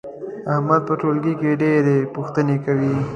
احمد په ټولګي کې ډېر پوښتنې کوي.